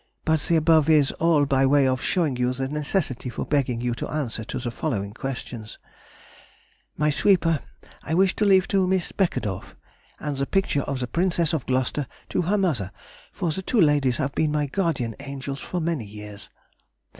But the above is all by way of showing you the necessity for begging you to answer to the following questions. [Sidenote: 1826. Making her Will.] My sweeper I wish to leave to Miss Beckedorff, and the picture of the Princess of Gloucester to her mother, for the two ladies have been my guardian angels for many years.